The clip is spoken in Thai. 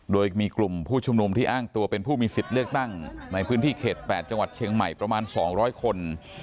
โดยมีกลุ่มผู้ชุมนุมที่อ้างตัวเป็นผู้มีสิทธิ์เลือกตั้งในพื้นที่เขต๘จังหวัดเชียงใหม่ประมาณ๒๐๐คน